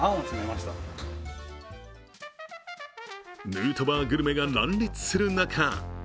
ヌートバーグルメが乱立する中